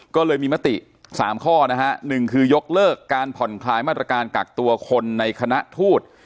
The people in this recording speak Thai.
ก็เลยมีมติ๓ข้อนะฮะ๑คือยกเลิกการผ่อนคลายมาตรการกักตัวคนในคณะทูต